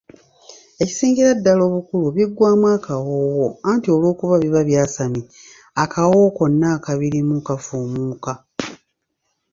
Ekisingira ddala obukulu biggwaamu akawoowo anti olw'okuba biba byasamye akawoowo konna akabirimu kafumuuka.